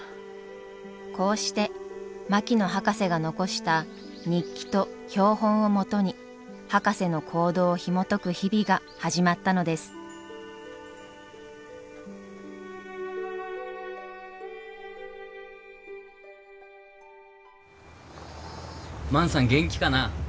こうして槙野博士が残した日記と標本をもとに博士の行動をひもとく日々が始まったのです万さん元気かな？